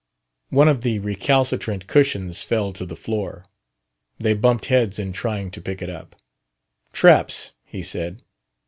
One of the recalcitrant cushions fell to the floor. They bumped heads in trying to pick it up. "Traps!" he said.